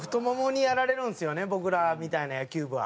僕らみたいな野球部は。